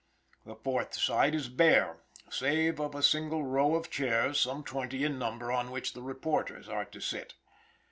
The fourth side is bare, save of a single row of chairs some twenty in number, on which the reporters are to sit.